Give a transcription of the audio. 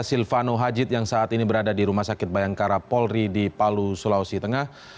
silvano hajid yang saat ini berada di rumah sakit bayangkara polri di palu sulawesi tengah